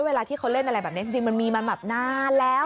เวลาที่เขาเล่นอะไรแบบนี้จริงมันมีมาแบบนานแล้ว